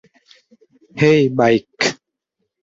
হেই, bike!